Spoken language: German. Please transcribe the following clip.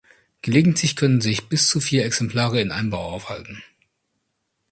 Gelegentlich können sich bis zu vier Exemplare in einem Bau aufhalten.